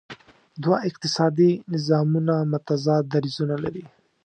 دوه اقتصادي نظامونه متضاد دریځونه لري.